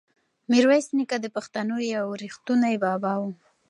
میرویس نیکه د پښتنو یو ریښتونی بابا و.